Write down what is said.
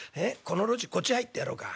この路地こっち入ってやろうか。